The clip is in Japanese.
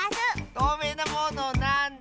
「とうめいなものなんだ？」